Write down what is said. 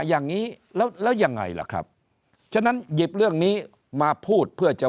อย่างนี้แล้วแล้วยังไงล่ะครับฉะนั้นหยิบเรื่องนี้มาพูดเพื่อจะ